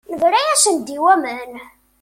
Nebra-yasen-d i waman.